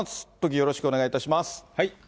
よろしくお願いします。